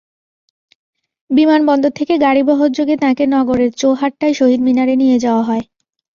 বিমানবন্দর থেকে গাড়িবহর যোগে তাঁকে নগরের চৌহাট্টায় শহীদ মিনারে নিয়ে যাওয়া হয়।